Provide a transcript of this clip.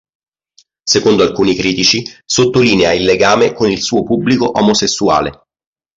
Secondo alcuni critici, sottolinea il legame con il suo pubblico omosessuale.